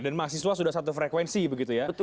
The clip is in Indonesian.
dan mahasiswa sudah satu frekuensi begitu ya